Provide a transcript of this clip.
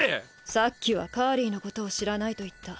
さっきはカーリーのことを知らないと言った。